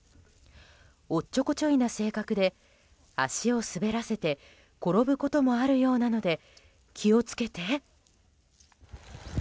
おっちょこちょいな性格で足を滑らせて、転ぶこともあるようなので気を付けて！